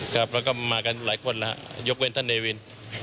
ครับแล้วก็มากันหลายคนนะฮะยกเว้นท่านเนวิน